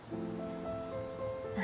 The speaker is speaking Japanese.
何？